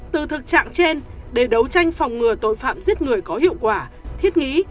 từ thực trạng trên để đấu tranh phòng ngừa tội phạm giết người có hiệu quả thiết nghĩ